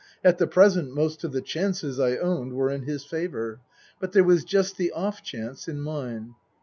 At the present most of the chances, I owned, were in his favour. But there was just the off chance in mine.